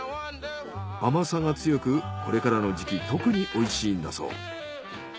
甘さが強くこれからの時期特においしいんだそう。